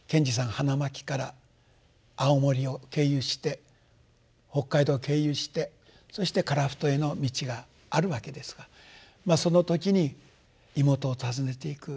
花巻から青森を経由して北海道を経由してそして樺太への道があるわけですがその時に妹を訪ねていく。